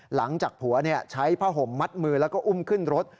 หลังจากผัวใช้ผ้าห่มมัดมือแล้วก็อุ้มขึ้นรถ